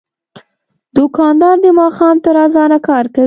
دوکاندار د ماښام تر اذانه کار کوي.